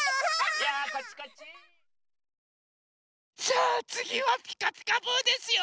さあつぎは「ピカピカブ！」ですよ。